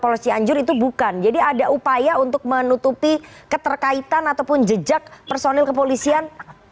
polres cianjur itu bukan jadi ada upaya untuk menutupi keterkaitan ataupun jejak personil kepolisian